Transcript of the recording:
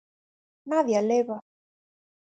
Madia leva!